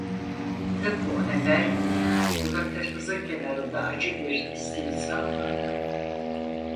Tıpkı o nefer gibi, dudaklarımızın kenarında acı bir istihza vardı.